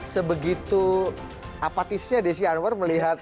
sebegitu apatisnya desi anwar melihat